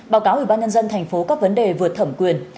báo cáo ủy ban nhân dân tp các vấn đề vượt thẩm quyền